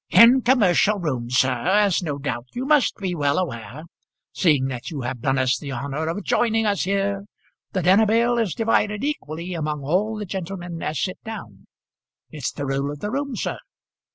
"In commercial rooms, sir, as no doubt you must be well aware, seeing that you have done us the honour of joining us here, the dinner bill is divided equally among all the gentlemen as sit down. It's the rule of the room, sir.